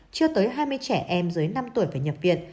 chưa tới hai mươi trẻ em dưới năm tuổi phải nhập viện